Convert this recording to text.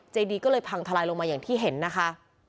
ใจดีก็เลยพังทลายลงมาอย่างที่เห็นนะคะ